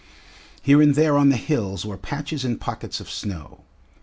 Here and there on the hills were patches and pockets of snow.